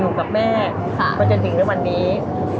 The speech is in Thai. หนูที่ตอบมากแม่กว่าจะถึงแล้วกันวันนี้